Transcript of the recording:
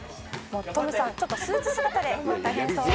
「トムさんちょっとスーツ姿で大変そう」